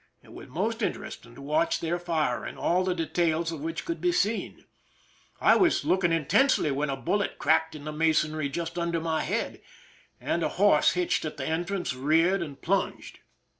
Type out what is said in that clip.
It was most interesting to watch their firmg, all the details of which could be seen. I was looking intently when a bullet cracked in the masonry just under my head, and a horse hitched at the entrance reared and 277 THE SINKma OF THE "MERRIMAC^ plunged.